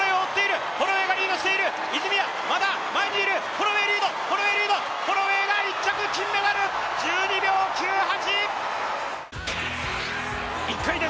ホロウェイリード、１着金メダル、１２秒９８！